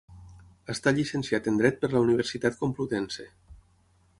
Està llicenciat en Dret per la Universitat Complutense.